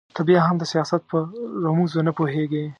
ته بيا هم د سياست په رموزو نه پوهېږې.